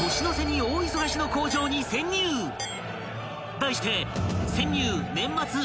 ［題して］